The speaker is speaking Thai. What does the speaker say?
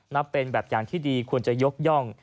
นับเป็นแบบอย่างที่ดีควรจะยกย่อง